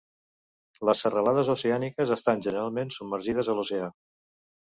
Les serralades oceàniques estan generalment submergides a l'oceà.